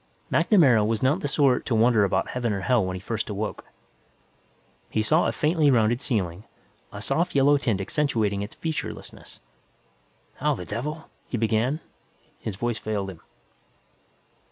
MacNamara was not the sort to wonder about heaven or hell when he first awoke. He saw a faintly rounded ceiling, a soft yellow tint accentuating its featurelessness. "How the devil ", he began. His voice failed him.